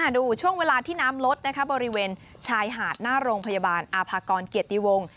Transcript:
ดูช่วงเวลาที่น้ำลดบริเวณชายหาดหน้าโรงพยาบาลอาภากรเกียรติวงศ์